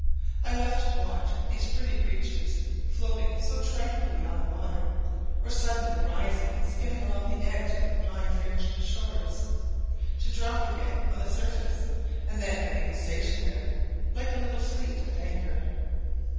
I love to watch these pretty creatures, floating so tranquilly on the water, or suddenly rising and skimming along the edge of the pine fringed shores, to drop again on the surface, and then remain stationary, like a little fleet at anchor.